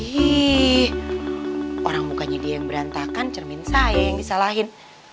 hei orang mukanya dia yang berantakan cermin saya yang disalahin